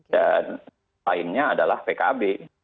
dan lainnya adalah pkb